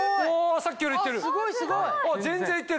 さっきよりいってる！